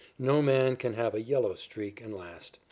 No man can have a "yellow streak" and last.